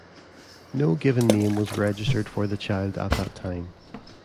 No given name was registered for the child at that time.